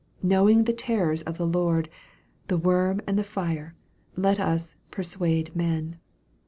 "Knowing the terrors of the Lord," the worm, and the fire, let us " persuade men."